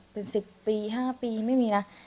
เป็น๑๐ปี๕ปีไม่มีนะ